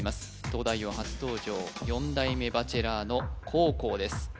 「東大王」初登場４代目バチェラーの黄皓です